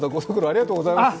ありがとうございます。